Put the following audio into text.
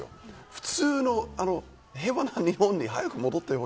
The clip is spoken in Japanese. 普通の平凡な日本に早く戻ってほ